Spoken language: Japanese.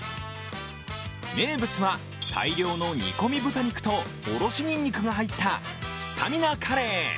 名物は大量の煮込み豚肉とおろしにんにくが入ったスタミナカレー。